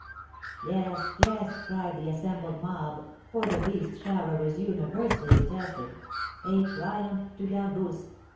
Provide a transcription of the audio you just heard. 'Yes, yes,' cried the assembled mob, for the beast shower was universally detested, 'a triumph to Gargousse!